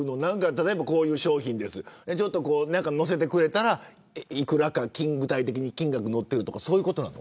例えば、こういう商品です載せてくれたら幾らか具体的に金額載っているとかそういうことなの。